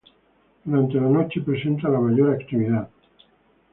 Durante la noche presenta la mayor actividad.